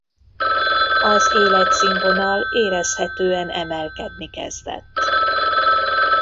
Az életszínvonal érezhetően emelkedni kezdett.